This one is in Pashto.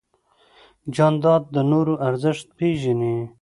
جانداد د نورو ارزښت پېژني.